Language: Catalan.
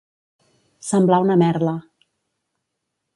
Semblar una merla.